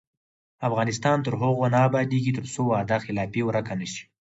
افغانستان تر هغو نه ابادیږي، ترڅو وعده خلافي ورکه نشي.